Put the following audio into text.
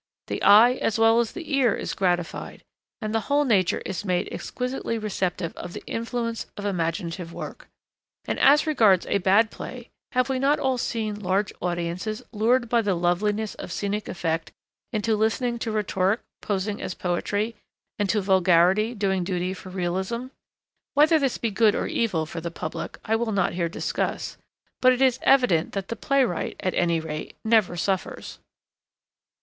The eye as well as the ear is gratified, and the whole nature is made exquisitely receptive of the influence of imaginative work. And as regards a bad play, have we not all seen large audiences lured by the loveliness of scenic effect into listening to rhetoric posing as poetry, and to vulgarity doing duty for realism? Whether this be good or evil for the public I will not here discuss, but it is evident that the playwright, at any rate, never suffers.